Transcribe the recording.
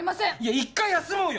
一回休もうよ